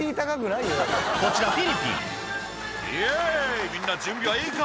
こちらフィリピン「イエイみんな準備はいいか？」